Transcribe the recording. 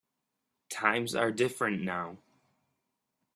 Times are different now.